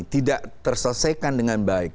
tidak terselesaikan dengan baik